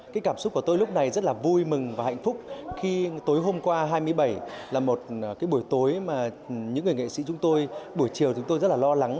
cái cảm xúc của tôi lúc này rất là vui mừng và hạnh phúc khi tối hôm qua hai mươi bảy là một cái buổi tối mà những người nghệ sĩ chúng tôi buổi chiều chúng tôi rất là lo lắng